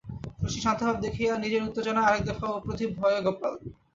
শশীর শান্ত ভাব দেখিয়া নিজের উত্তেজনায় আর এক দফা অপ্রতিভ হয় গোপাল।